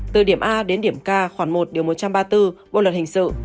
từ điểm a đến điểm k khoảng một điều một trăm ba mươi bốn bộ luật hình sự